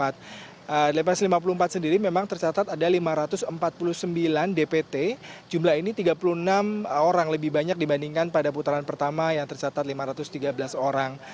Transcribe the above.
di pasal lima puluh empat sendiri memang tercatat ada lima ratus empat puluh sembilan dpt jumlah ini tiga puluh enam orang lebih banyak dibandingkan pada putaran pertama yang tercatat lima ratus tiga belas orang